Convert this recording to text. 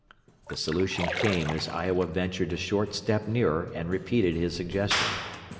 The solution came as Iowa ventured a short step nearer, and repeated his suggestion.